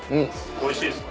おいしいですか。